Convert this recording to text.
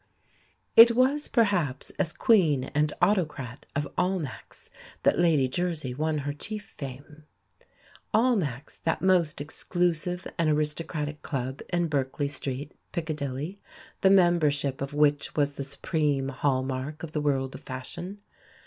It was, perhaps, as Queen and Autocrat of "Almack's" that Lady Jersey won her chief fame Almack's, that most exclusive and aristocratic club in Berkeley Street, Piccadilly, the membership of which was the supreme hall mark of the world of fashion.